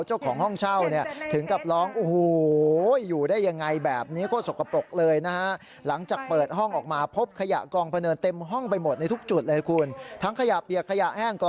เพราะลูกสาวเจ้าของห้องเช่าเนี่ย